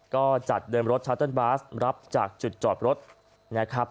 ก็จัดเดินรถชาเติ้ลบาสรับจากจุดจอดรถนะครับ